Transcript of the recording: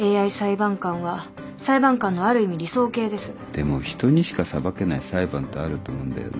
でも人にしか裁けない裁判ってあると思うんだよね。